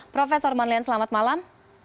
prof manlian selamat malam